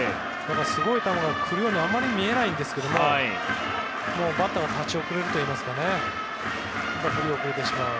すごい球が来るようにあまり見えないんですけどバッターが立ち遅れるといいますかやっぱり振り遅れてしまう。